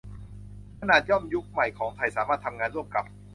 ขนาดย่อมยุคใหม่ของไทยสามารถทำงานร่วมกับ